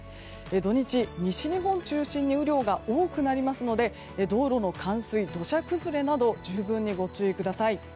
土日、西日本中心に雨量が多くなりますので道路の冠水、土砂崩れなど十分にご注意ください。